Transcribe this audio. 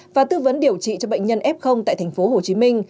và tư vấn điều trị cho bệnh nhân f tại tp hcm